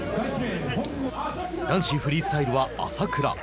男子フリースタイルは朝倉。